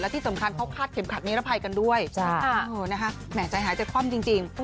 ที่สำคัญเขาคาดเข็มขัดนิรภัยกันด้วยแหมใจหายใจคว่ำจริง